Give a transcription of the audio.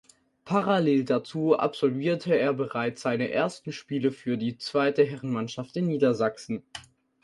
Parallel dazu absolvierte er bereits seine ersten Spiele für die zweite Herrenmannschaft der Niedersachsen.